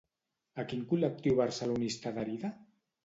A quin col·lectiu barceloní està adherida?